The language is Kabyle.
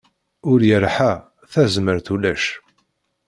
Ul yerḥa, tazmert ulac.